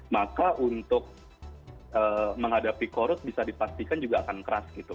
maka untuk menghadapi korup bisa dipastikan juga akan keras gitu